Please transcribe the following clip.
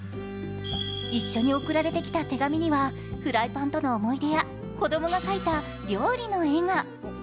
一緒に送られてきた手紙には、フライパンとの思い出や、子供が描いた料理の絵が。